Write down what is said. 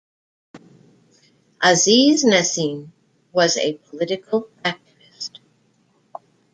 Aziz Nesin was a political activist.